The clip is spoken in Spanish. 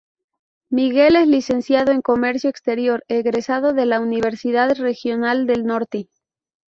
Miguel es Licenciado en Comercio Exterior egresado de la Universidad Regional del Norte.